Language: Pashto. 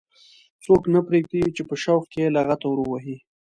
څوک نه پرېږدي چې په شوق کې یې لغته ور ووهي.